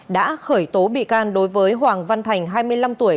đã khởi tố bị can đối với hoàng văn thành hai mươi năm tuổi